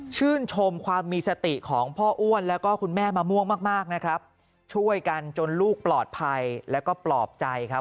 ชื่นชมความมีสติของพ่ออ้วนแล้วก็คุณแม่มะม่วงมากมากนะครับช่วยกันจนลูกปลอดภัยแล้วก็ปลอบใจครับ